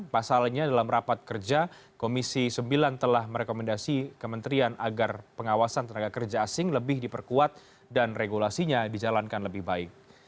pasalnya dalam rapat kerja komisi sembilan telah merekomendasi kementerian agar pengawasan tenaga kerja asing lebih diperkuat dan regulasinya dijalankan lebih baik